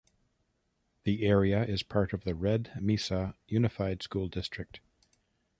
The area is a part of the Red Mesa Unified School District.